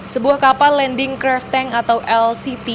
sebuah kapal landing craft tank atau lct